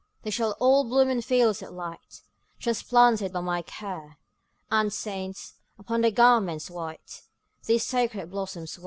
``They shall all bloom in fields of light, Transplanted by my care, And saints, upon their garments white, These sacred blossoms wear.''